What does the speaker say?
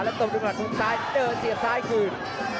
และต้มด้วยมัดมุมซ้ายเดินเสียบซ้ายคืน